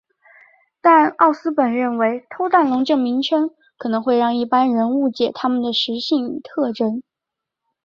但奥斯本认为偷蛋龙这名称可能会让一般人误解它们的食性与特征。